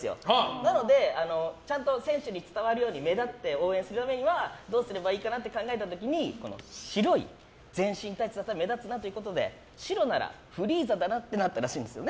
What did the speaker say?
なので、ちゃんと選手に伝わるように目立って応援するためにはどうすればいいかなと考えた時に白い全身タイツだったら目立つなということで白ならフリーザだなとなったらしいんですね。